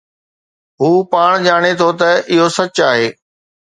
هو پاڻ ڄاڻي ٿو ته اهو سچ آهي